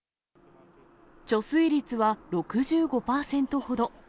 貯水率は６５％ほど。